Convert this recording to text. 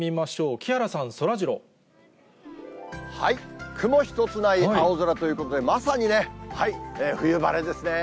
木原さん、雲一つない青空ということで、まさにね、冬晴れですね。